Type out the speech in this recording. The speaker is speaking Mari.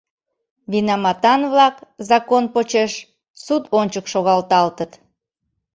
Винаматан-влак закон почеш суд ончык шогалталтыт..."